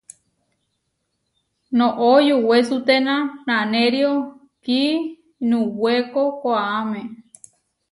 Noʼó yuwesuténa naʼnério kiinuwéko koʼáme.